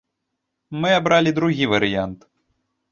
Мы абралі другі варыянт.